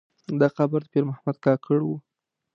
دا قبر د پیر محمد کاکړ و.